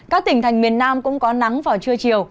các tỉnh thành miền nam cũng có nắng vào trưa chiều